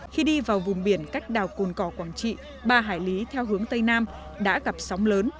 khi đi vào vùng biển cách đảo cồn cỏ quảng trị ba hải lý theo hướng tây nam đã gặp sóng lớn